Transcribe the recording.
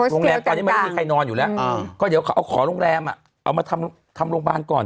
โรงแรมตอนนี้ไม่ได้มีใครนอนอยู่แล้วก็เดี๋ยวขอโรงแรมเอามาทำโรงบ้านก่อน